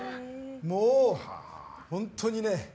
もう本当に。